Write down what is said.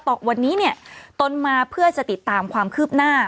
บอกวันนี้เนี่ยตนมาเพื่อจะติดตามความคืบหน้า